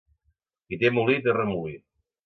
Qui té molí té remolí.